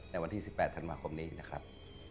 ในวันที่๑๘ธันวาคมนี้นะครับ